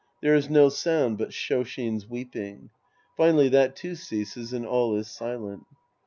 There is no sound but Shos^in's weeping. Finally that, too, ceases, and all is silent!)